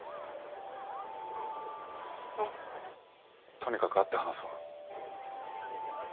とにかく会って話そう。